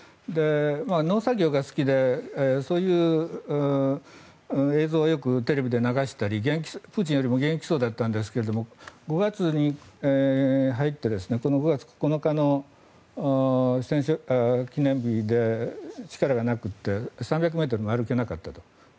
農作業が好きでそういう映像をよくテレビで流したりプーチンよりも元気そうだったんですが５月に入って５月９日の戦勝記念日で力がなくて３００ｍも歩けなかったと。